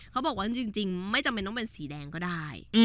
เขาบอกว่าจริงไม่จำเป็นต้องเป็นสีแดงก็ได้